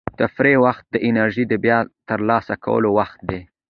د تفریح وخت د انرژۍ د بیا ترلاسه کولو وخت دی.